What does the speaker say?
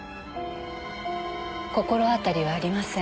心当たりはありません。